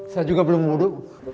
saya juga belum wudu